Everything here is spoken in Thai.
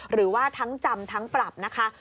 หรือว่าทั้งจำทั้งปรับนะคะ